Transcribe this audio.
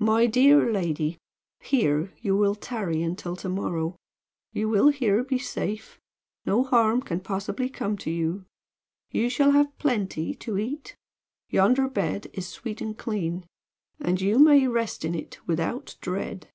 "My dear lady, here you will tarry until to morrow. You will here be safe. No harm can possibly come to you. You shall have plenty to eat; yonder bed is sweet and clean; and you may rest in it without dread."